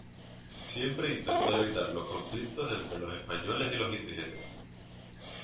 Siempre intentó evitar los conflictos entre los españoles y los indígenas.